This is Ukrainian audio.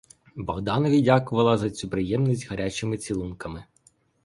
Богданові дякувала за цю приємність гарячими цілунками.